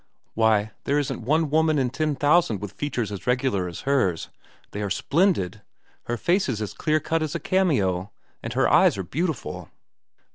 "Why, there isn't one woman in ten thousand with features as regular as hers. They are splendid. Her face is as clear cut as a cameo. And her eyes are beautiful."